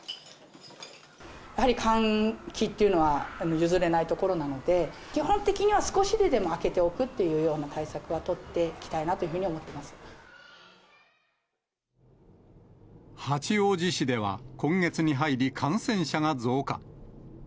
やはり換気っていうのは、譲れないところなので、基本的には少しでも開けておくっていうような対策は取っていきた八王子市では、今月に入り感染者が増加。